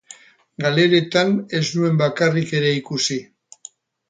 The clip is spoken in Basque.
Galeretan ez nuen bakarrik ere ikusi.